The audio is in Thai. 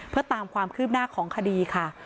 เพื่อตามความคืบหน้าของคดีค่ะ